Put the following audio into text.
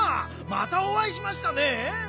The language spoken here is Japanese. またおあいしましたね。